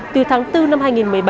từ tháng bốn năm hai nghìn một mươi bảy